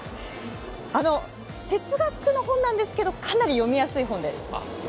哲学の本なんですけど、かなり読みやすい本です。